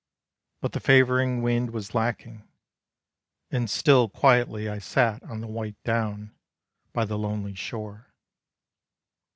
But the favoring wind was lacking, And still quietly I sat on the white down, By the lonely shore.